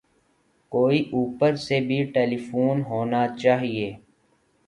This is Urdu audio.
کوئی اوپر سے بھی ٹیلی فون ہونا چاہئے